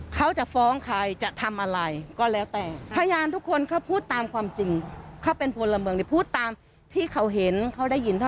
เขาจะฟ้องใครจะทำอะไรก็แล้วแต่